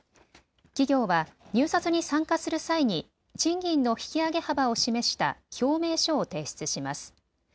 企業は入札に参加する際に賃金の引き上げ幅を示した表明書を提出します。